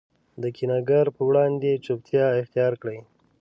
د کینه ګر په وړاندي چوپتیا اختیارکړئ!